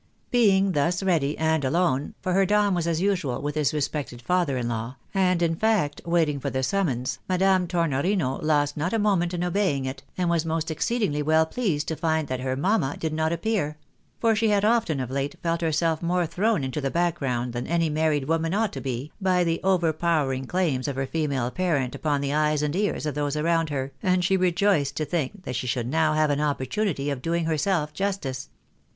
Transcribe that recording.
Being thus ready, and alone (for her Don was as usual with his respected father in law), and in fact waiting for the summons, Madame Tornorino lost not a moment in obeying it, and was most exceedingly well pleased to find that her mamma did not appear ; for she had often, of late, felt herself more thrown into the background than any married woman ought to be, by the over powering claims of her female parent upon the eyes and ears of those around her, and she rejoiced to think that she should now have an opportunity of doing herself justice.